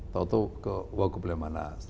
tau tau ke wagu bulemana